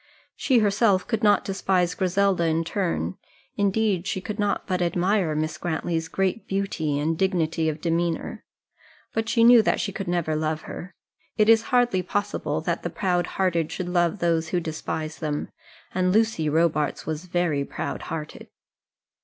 She herself could not despise Griselda in turn; indeed she could not but admire Miss Grantly's great beauty and dignity of demeanour; but she knew that she could never love her. It is hardly possible that the proud hearted should love those who despise them; and Lucy Robarts was very proud hearted.